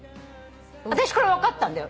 私これ分かったんだよ。